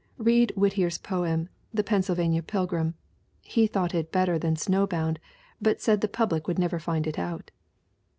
Read Whittier's poem, The Pennsylvania Pilgrim (he thought it better than Snowbound but said the public would never find it out